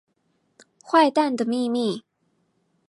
壞蛋的祕密